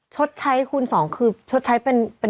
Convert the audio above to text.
ชดใช้คูณสองคือชดใช้เป็นเงิน